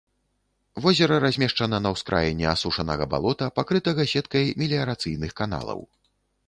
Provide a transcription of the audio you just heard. Возера размешчана на ўскраіне асушанага балота, пакрытага сеткай меліярацыйных каналаў.